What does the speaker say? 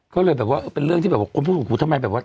ก็เลยแบบว่าเป็นเรื่องพันของผมพูดทำไมแบบว่า